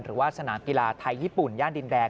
หรือว่าสนามกีฬาไทยญี่ปุ่นย่านดินแดง